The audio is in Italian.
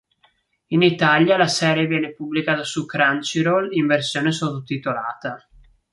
In Italia la serie viene pubblicata su Crunchyroll in versione sottotitolata.